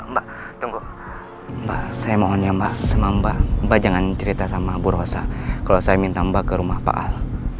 mbak tunggu mbak saya mohon ya mbak sama mbak jangan cerita sama bu rosa kalau saya minta mbak ke rumah pak al